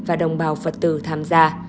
và đồng bào phật tử tham gia